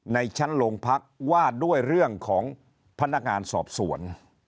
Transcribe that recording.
ในชั้นโรงพักว่าด้วยเรื่องของพนักงานสอบสวน